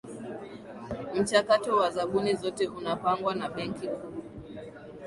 mchakato wa zabuni zote unapangwa na benki kuu